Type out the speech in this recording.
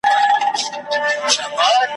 ستا په قسمت کښلې ترانه یمه شرنګېږمه`